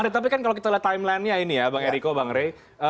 tapi kalau kita lihat timelinenya ini ya bang eriko bang rey